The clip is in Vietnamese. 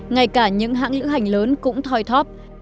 ngay cả những hãng lữ hành lớn cũng thoi thóp